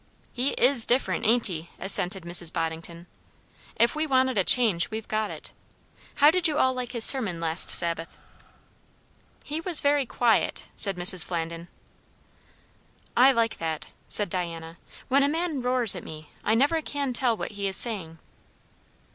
"He is different, ain't he?" assented Mrs. Boddington. "If we wanted a change, we've got it. How did you all like his sermon last Sabbath?" "He was very quiet " said Mrs. Flandin. "I like that," said Diana. "When a man roars at me, I never can tell what he is saying."